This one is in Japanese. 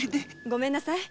ごめんなさい。